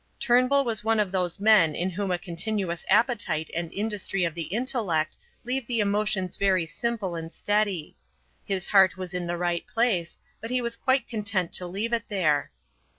Turnbull was one of those men in whom a continuous appetite and industry of the intellect leave the emotions very simple and steady. His heart was in the right place; but he was quite content to leave it there.